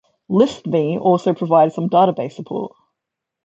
LispMe also provides some database support.